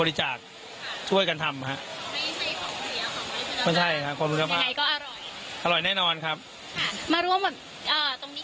มาร่วมตรงนี้กี่วันแล้วค่ะ